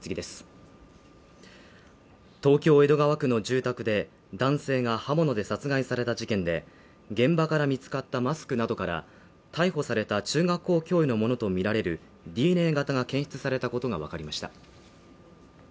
東京江戸川区の住宅で男性が刃物で殺害された事件で、現場から見つかったマスクなどから逮捕された中学校教諭のものとみられるＤＮＡ型が検出されたことがわかりました。